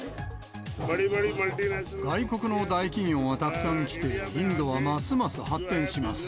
外国の大企業がたくさん来て、インドはますます発展します。